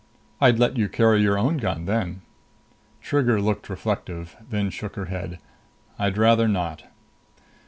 "I'd let you carry your own gun then." Trigger looked reflective, then shook her head. "I'd rather not."